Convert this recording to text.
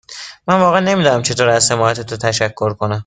من واقعا نمی دانم چطور از حمایت تو تشکر کنم.